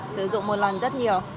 sử dụng một lần rất nhiều